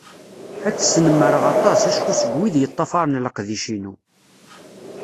Ad ak-snemreɣ aṭas, acku seg wid yeṭṭafaren leqdic-inu.